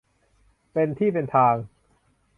เป็นที่เป็นทาง